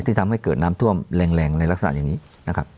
ทำให้เกิดน้ำท่วมแรงในลักษณะอย่างนี้นะครับ